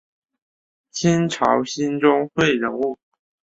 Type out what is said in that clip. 清朝兴中会人物。